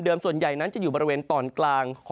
ในภาคฝั่งอันดามันนะครับ